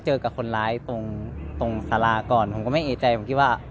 เวลาที่สุดตอนที่สุดตอนที่สุด